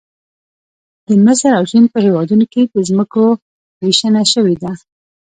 د مصر او چین په هېوادونو کې د ځمکو ویشنه شوې ده